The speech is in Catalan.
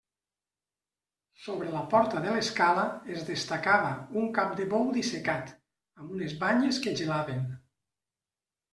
Sobre la porta de l'escala es destacava un cap de bou dissecat, amb unes banyes que gelaven.